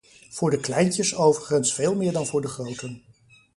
Voor de kleintjes overigens veel meer dan voor de groten.